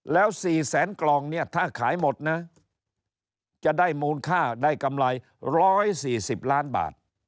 แล้ว๔แสนกล่องเนี่ยถ้าขายหมดนะจะได้มูลค่าได้กำไร๑๔๐ล้านบาท